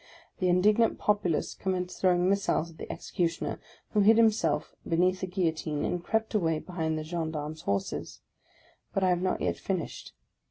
The indignant populace com menced throwing missiles at the Executioner, who hid himself beneath the Guillotine, and crept away behind the gendarmes' horses: but I have not yet finished.